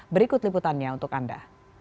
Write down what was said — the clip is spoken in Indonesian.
berikut liputannya untuk anda